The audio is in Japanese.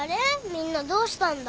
みんなどうしたんだ？